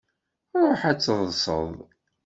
Ṛuḥ ad teṭṭseḍ!